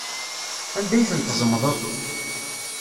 Anda ay tent-tzemḍeḍ?